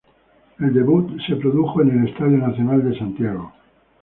El debut se produjo en el Estadio Nacional de Santiago.